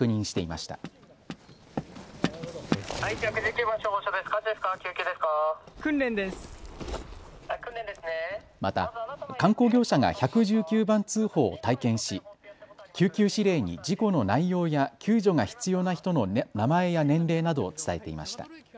また観光業者が１１９番通報を体験し救急指令に事故の内容や救助が必要な人の名前や年齢などを伝えていました。